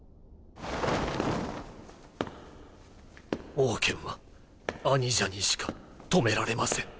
オウケンは兄者にしか止められません。